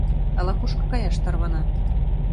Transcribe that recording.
Ала-кушко каяш тарвана.